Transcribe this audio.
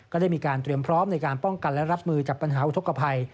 ได้มีการเตรียมพร้อมในการป้องกันและรับมือจากปัญหาอุทธกภัย